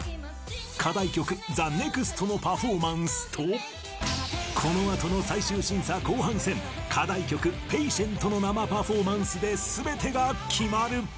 課題曲ＴＨＥＮＥＸＴのパフォーマンスと、このあとの最終審査後半戦、課題曲Ｐａｔｉｅｎｔ！！の生パフォーマンスですべてが決まる。